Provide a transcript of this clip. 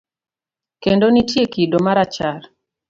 Kendo nitie kido marachar.